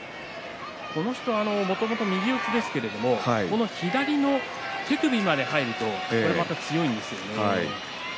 この人はもともと右四つですけども左の手首まで入るとまた強いんですよね。